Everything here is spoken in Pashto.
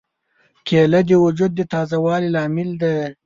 کېله د وجود د تازه والي لامل ده.